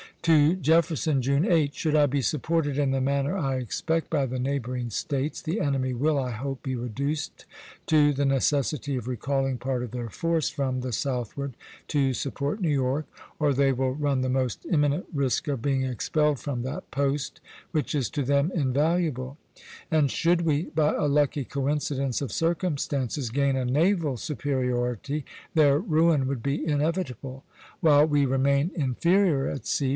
To Jefferson, June 8: "Should I be supported in the manner I expect, by the neighboring States, the enemy will, I hope, be reduced to the necessity of recalling part of their force from the southward to support New York, or they will run the most imminent risk of being expelled from that post, which is to them invaluable; and should we, by a lucky coincidence of circumstances, gain a naval superiority, their ruin would be inevitable.... While we remain inferior at sea